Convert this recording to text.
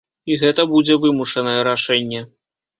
І гэта будзе вымушанае рашэнне.